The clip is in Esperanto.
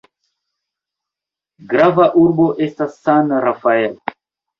Grava urbo estas San Rafael.